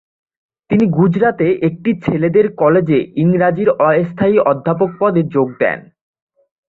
তিনি গুজরাতে একটি ছেলেদের কলেজে ইংরাজির অস্থায়ী অধ্যাপক পদে যোগ দেন।